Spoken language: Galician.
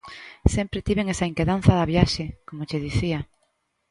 Sempre tiven esa inquedanza da viaxe, como che dicía.